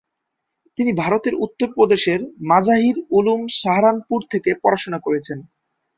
তিনি ভারতের উত্তর প্রদেশের মাজাহির উলূম সাহারানপুর থেকে পড়াশোনা করেছেন।